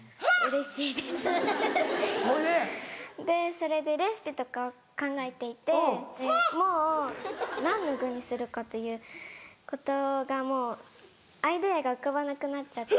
それでレシピとかを考えていてでもう何の具にするかということがもうアイデアが浮かばなくなっちゃって。